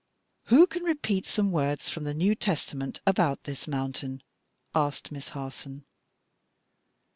"Who can repeat some words from the New Testament about this mountain?" asked Miss Harson.